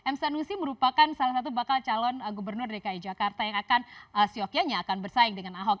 m sanusi merupakan salah satu bakal calon gubernur dki jakarta yang akan siokianya akan bersaing dengan ahok